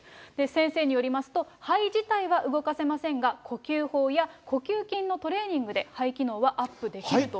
先生によりますと、肺自体は動かせませんが、呼吸法や呼吸筋のトレーニングで肺機能はアップできると。